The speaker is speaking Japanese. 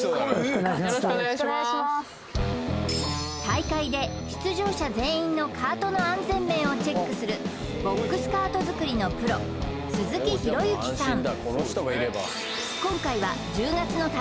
大会で出場者全員のカートの安全面をチェックするボックスカート作りのプロ鈴木裕之さん